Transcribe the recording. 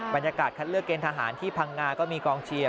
บรรยากาศคัดเลือกเกณฑหารที่พังงาก็มีกองเชียร์